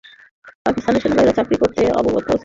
পাকিস্তান সেনাবাহিনীতে চাকরি করতেন আবদুস সালাম।